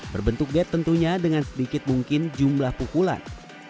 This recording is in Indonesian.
berbentuk bed tentunya dengan sedikit mungkin jumlah pukulan